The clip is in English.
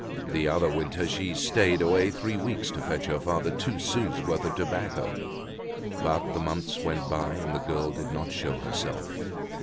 The other winter she had stayed away three weeks to fetch her father two sous' worth of tobacco. But the months went by and the girl did not show herself.